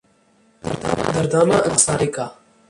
دردانہ انصاری کا